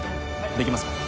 できます！